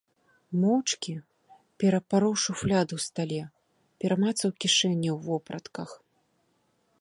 Моўчкі перапароў шуфляду ў стале, перамацаў кішэні ў вопратках.